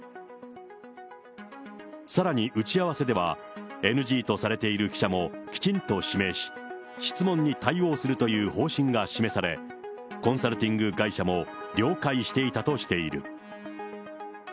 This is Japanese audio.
さらに打ち合わせでは、ＮＧとされている記者もきちんと指名し、質問に対応するという方針が示され、コンサルティング会社も了解していたとしている。